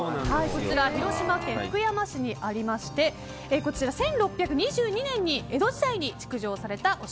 広島県福山市にありましてこちらは１６２２年江戸時代に築城されました。